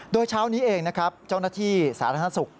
โดยเช้านี้เองนะครับเจ้าหน้าที่สาธารณสุข